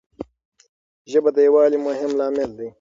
ژبه د یووالي مهم لامل دی.